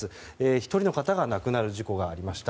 １人の方が亡くなる事故がありました。